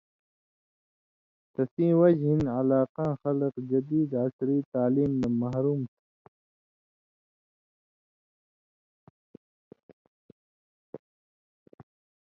تسیں وجہۡ ہِن علاقاں خلک جدید عصری تعلیم نہ محرُوم تُھو۔